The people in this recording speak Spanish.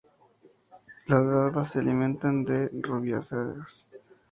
Las larvas se alimentan de rubiáceas.